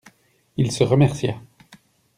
Il se remercia.